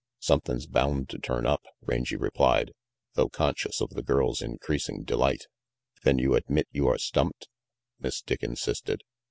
"Somethin's bound to turn up," Rangy replied, though conscious of the girl's increasing delight. "Then you admit you are stumped?" Miss Dick insisted.